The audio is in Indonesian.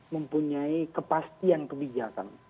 mempunyai kepastian kebijakan